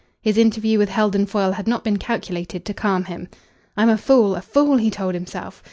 His interview with Heldon Foyle had not been calculated to calm him. "I'm a fool a fool," he told himself.